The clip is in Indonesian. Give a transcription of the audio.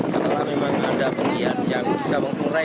karena memang ada penggian yang bisa mempulai